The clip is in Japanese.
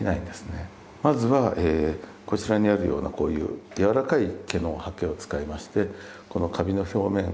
まずはこちらにあるようなこういう柔らかい毛のはけを使いましてこのカビの表面